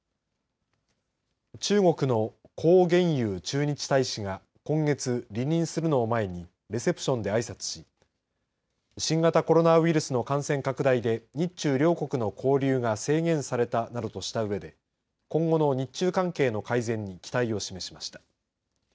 中国の孔鉉佑駐日大使が今月離任するのを前にレセプションであいさつし新型コロナウイルスの感染拡大で日中両国の交流が制限されたなどとしたうえで今後の日中関係の改善に期待を示しました。